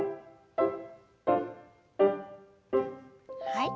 はい。